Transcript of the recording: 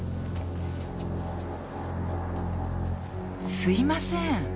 すいません。